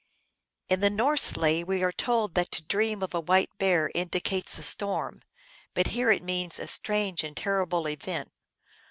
In the Norse lay we are told that to dream of a white bear indicates a storm, but here it means a strange and terrible event.